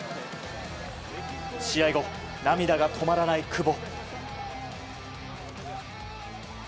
試合後、涙が止まらない久保。